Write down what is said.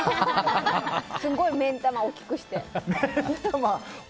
すごい目ん玉、大きくして。